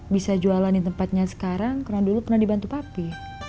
bisa jualan di tempatnya sekarang karena dulu pernah dibantu papi